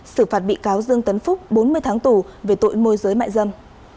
xử phạt bị cáo dương tấn phúc bốn mươi tháng tù về tội môi giới mại dâm